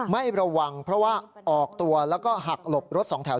ไม่ระวังเพราะว่าออกตัวแล้วก็หักหลบรถสองแถว